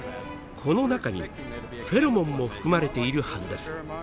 この中にフェロモンも含まれているはずです。